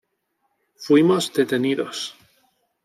Fuimos detenidos.